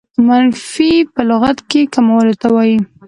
منفي په لغت کښي کمولو ته وايي.